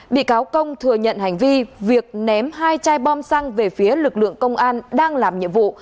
bị cáo công thừa nhận hành vi việc ném hai chai bom xăng về phía lực lượng công an đang làm nhiệm vụ